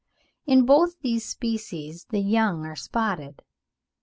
In both these species the young are spotted.